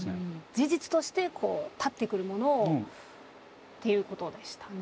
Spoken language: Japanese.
事実としてこう立ってくるものをっていうことでしたね。